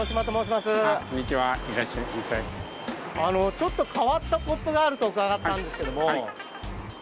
ちょっと変わったコップがあると伺ったんですけども。